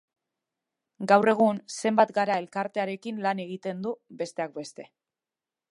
Gaur egun, Zenbat Gara elkartearekin lan egiten du, besteak beste.